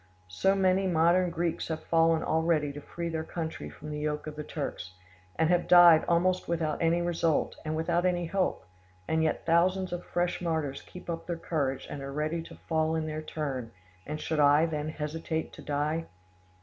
So many modern Greeks have fallen already to free their country from the yoke of the Turks, and have died almost without any result and without any hope; and yet thousands of fresh martyrs keep up their courage and are ready to fall in their turn; and should I, then, hesitate to die?